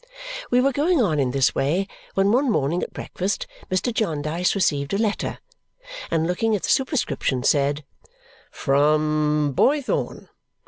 We were going on in this way, when one morning at breakfast Mr. Jarndyce received a letter, and looking at the superscription, said, "From Boythorn?